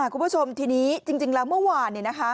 คุณผู้ชมทีนี้จริงแล้วเมื่อวาน